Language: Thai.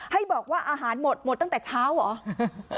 ให้บอกว่าอาหารหมดหมดตั้งแต่เช้าเหรอ